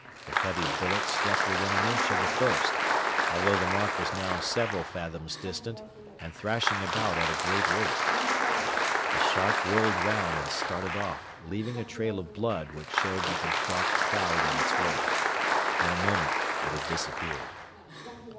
The heavy bullet struck within an inch of the first, although the mark was now several fathoms distant and thrashing about at a great rate. The shark whirled round and started off, leaving a trail of blood which showed like a dark cloud in its wake. In a moment it had disappeared.